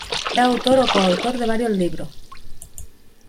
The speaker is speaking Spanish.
Es autor o coautor de varios libros.